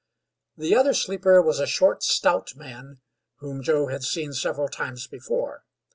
The other sleeper was a short, stout man whom Joe had seen several times before.